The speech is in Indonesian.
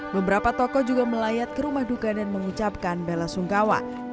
beberapa tokoh juga melayat ke rumah duka dan mengucapkan bela sungkawa